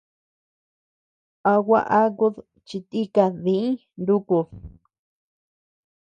¿A gua akud chi tika diñ nukud?